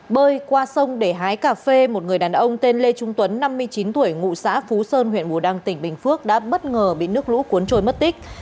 bơi qua sông để hái cà phê một người đàn ông tên lê trung tuấn năm mươi chín tuổi ngụ xã phú sơn huyện bù đăng tỉnh bình phước đã bất ngờ bị nước lũ cuốn trôi mất tích